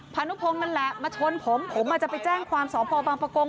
พานุพงศ์นั่นแหละมาชนผมผมอาจจะไปแจ้งความสอบพอบางประกง